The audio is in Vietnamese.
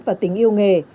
và tính yêu nghề